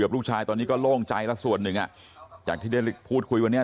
ลูกชายตอนนี้ก็โล่งใจแล้วส่วนหนึ่งอ่ะจากที่ได้พูดคุยวันนี้